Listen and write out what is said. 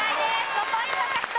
５ポイント獲得。